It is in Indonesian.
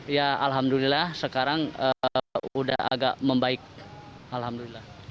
ya alhamdulillah sekarang udah agak membaik alhamdulillah